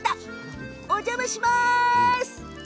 お邪魔します。